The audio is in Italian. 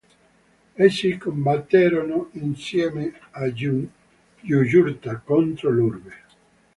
Essi combatterono insieme a Giugurta contro l'Urbe.